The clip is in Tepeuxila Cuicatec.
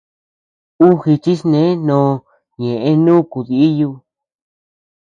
Uu jichisnee noʼo ñëʼe nuku díyu.